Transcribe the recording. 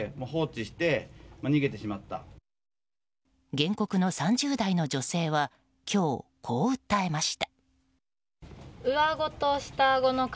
原告の３０代の女性は今日、こう訴えました。